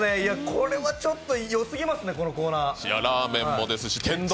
これはちょっとよすぎますね、このコーナー。